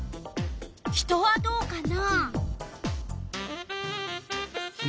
人はどうかな？